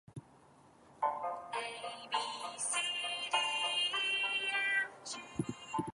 The larger "Reeth Evangelical Congregational Church" is located on the village green.